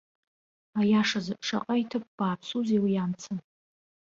Аиашазы шаҟа иҭыԥ бааԥсузеи уи амца!